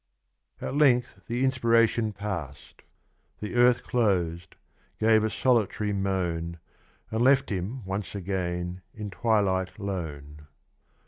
"^ At length the inspiration passed : The earth clos'd — gave a solitary moan — And left him once again in twilight lone.